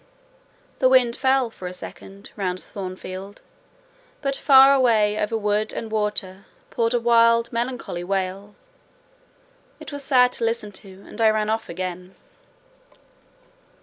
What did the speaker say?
The wind fell, for a second, round Thornfield; but far away over wood and water, poured a wild, melancholy wail: it was sad to listen to, and I ran off again.